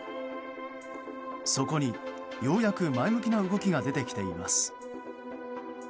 そこに、ようやく前向きな動きが出ています。